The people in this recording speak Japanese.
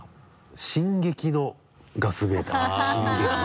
「進撃のガスメーター」「進撃の」